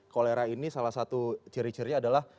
kolera ini salah satu ciri cirinya adalah